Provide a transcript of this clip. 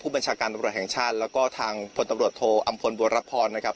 บัญชาการตำรวจแห่งชาติแล้วก็ทางพลตำรวจโทอำพลบัวรพรนะครับ